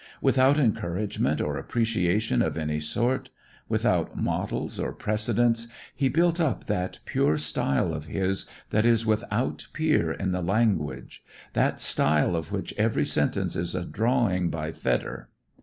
Without encouragement or appreciation of any sort, without models or precedents he built up that pure style of his that is without peer in the language, that style of which every sentence is a drawing by Vedder.